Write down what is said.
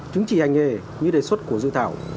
chứng chỉ hành nghề như đề xuất của dự thảo